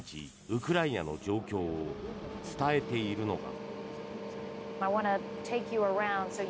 ウクライナの状況を伝えているのが。